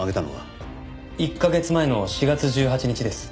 １カ月前の４月１８日です。